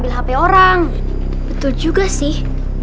iya juga sih